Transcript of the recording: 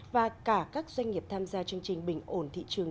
và cả các doanh nghiệp tham gia chương trình bình ổn thị trường